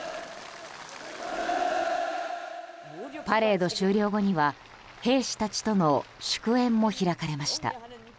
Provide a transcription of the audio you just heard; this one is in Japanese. パレード終了後には兵士たちとの祝宴も開かれました。